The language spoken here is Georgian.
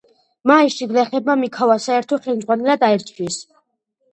მაისში გლეხებმა მიქავა საერთო ხელმძღვანელად აირჩიეს.